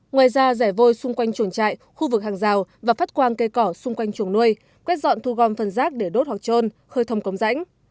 ngoài ra rẻ vôi xung quanh chuồng trại khu vực hàng rào và phát quang cây cỏ xung quanh chuồng nuôi quét dọn thu gom phân rác để đốt hoặc trôn khơi thông cống rãnh